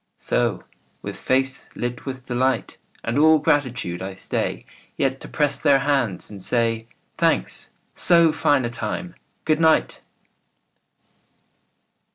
So, with face lit with delight And all gratitude, I stay Yet to press their hands and say, "Thanks. So fine a time ! Good night.